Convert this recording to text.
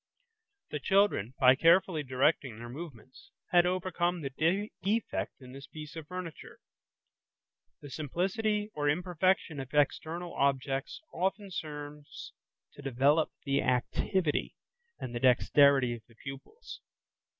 The children, by carefully directing their movements, had overcome the defect in this piece of furniture. The simplicity or imperfection of external objects often serves to develop the activity and the dexterity of the pupils.